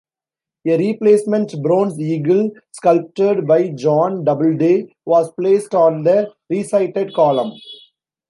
A replacement bronze eagle, sculpted by John Doubleday, was placed on the re-sited column.